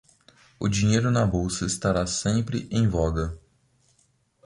O dinheiro na bolsa estará sempre em voga.